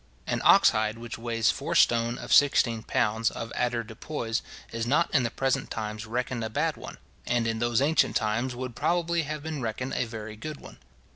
An ox hide which weighs four stone of sixteen pounds of avoirdupois, is not in the present times reckoned a bad one; and in those ancient times would probably have been reckoned a very good one.